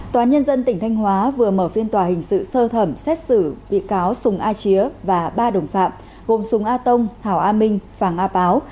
tòa nhân dân tỉnh thanh hóa vừa mở phiên tòa hình sự sơ thẩm xét xử bị cáo súng a chía và ba đồng phạm gồm súng a tông hảo a minh phàng a báo